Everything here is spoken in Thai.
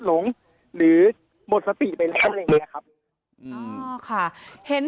หลงหรือหมดสติไปแล้วอะไรอย่างเงี้ยครับอ๋อค่ะเห็น